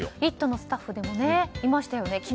「イット！」のスタッフでもいましたよね。